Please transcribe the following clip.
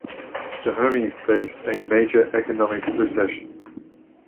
Dahomey faced a major economic recession.